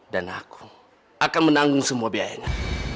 dan aku akan menanggung semua biayanya